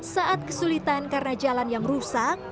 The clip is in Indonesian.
saat kesulitan karena jalan yang rusak